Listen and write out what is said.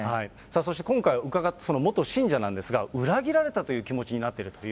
そして今回伺った元信者なんですが、裏切られたという気持ち